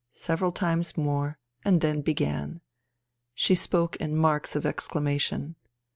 several times more and then began. She spoke in marks of exclamation.